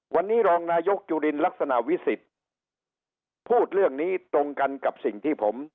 วันนี้รองนายกจุลินลักษณะวิสิทธิ์พูดเรื่องนี้ตรงกันกับสิ่งที่ผม